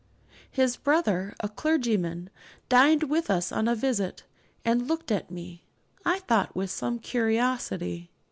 His brother, a clergyman, dined with us on a visit, and looked at me, I thought, with some curiosity.